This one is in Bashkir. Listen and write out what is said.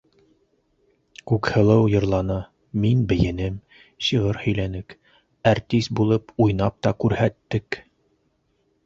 Күкһылыу йырланы, мин бейенем, шиғыр һөйләнек, әртис булып уйнап та күрһәттек!